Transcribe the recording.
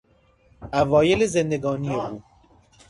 اوایل زندگانی او